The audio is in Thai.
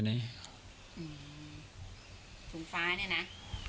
ถุงฟ้าเนี่ยนะ